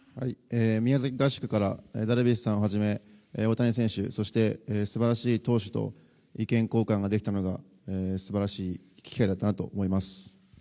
宮崎合宿からダルビッシュさんをはじめ大谷選手そして素晴らしい投手と意見交換できたのが素晴らしい機会だったなと思います。